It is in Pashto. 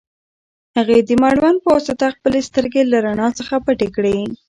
هغې د مړوند په واسطه خپلې سترګې له رڼا څخه پټې کړې.